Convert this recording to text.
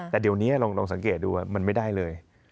แต่เดี๋ยวนี้ลองสังเกตดูมันไม่ได้เลย